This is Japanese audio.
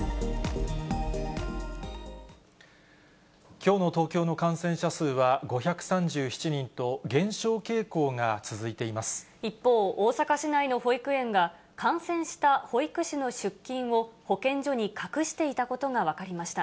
きょうの東京の感染者数は５３７人と、一方、大阪市内の保育園が、感染した保育士の出勤を保健所に隠していたことが分かりました。